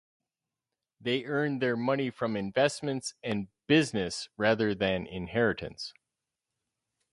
They earned their money from investments and business rather than inheritance.